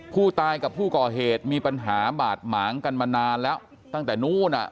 ผู้ตายกับผู้ก่อเหตุมีปัญหาบาดหมางกันมานานแล้วตั้งแต่นู้นอ่ะ